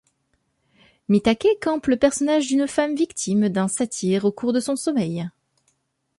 Mitake campe le personnage d'une femme victime d'un satyre au cours de son sommeil.